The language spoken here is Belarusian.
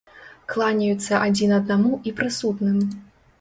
Кланяюцца адзін аднаму і прысутным.